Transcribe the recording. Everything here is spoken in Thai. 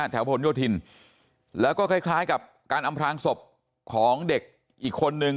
ผลโยธินแล้วก็คล้ายกับการอำพลางศพของเด็กอีกคนนึง